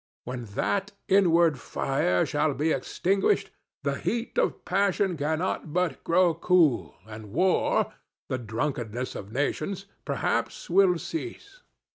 When that inward fire shall be extinguished, the heat of passion cannot but grow cool, and war—the drunkenness of nations—perhaps will cease.